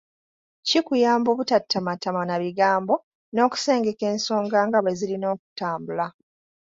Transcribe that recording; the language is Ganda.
Kikuyamba obutatamattama na bigambo n’okusengeka ensonga nga bwe ziba zirina okutambula.